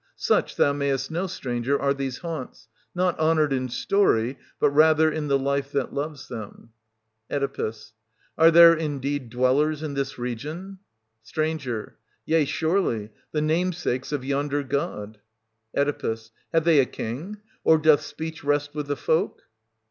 Such, thou mayest know, stranger, are these haunts, not honoured in story, but rather in the life that loves them. Oe. Are there indeed dwellers in this region } St. Yea, surely, the namesakes of yonder godi, Oe. Have they a king ? Or doth speech rest with the folk